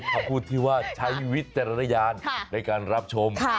เขาพูดถึงว่าใช้วิทย์ใจรายารในการรับชม